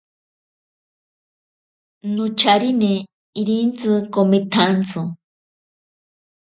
Nocharine irintsi komitsantsi.